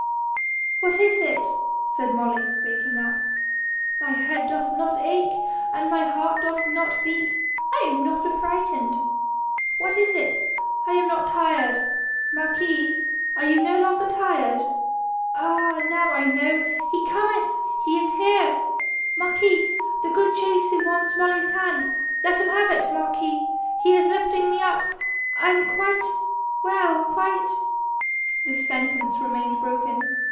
'What is it?' said Molly, waking up. 'My head doth not ache, and my heart doth not beat, and I am not affrighted. What is it? I am not tired. Marquis, are you no longer tired? Ah, now I know! He cometh! He is here! Marquis, the good Jesu wants Molly's hand. Let him have it, marquis. He is lifting me up. I am quite well quite ' The sentence remained broken.